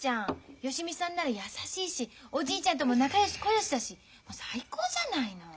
芳美さんなら優しいしおじいちゃんとも仲よしこよしだし最高じゃないの。